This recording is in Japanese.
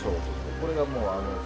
これがもう。